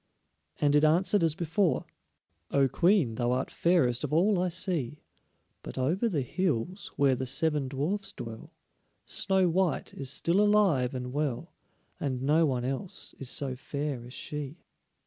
And it answered as before: "O Queen, thou art fairest of all I see, But over the hills, where the seven dwarfs dwell, Snow white is still alive and well, And no one else is so fair as she."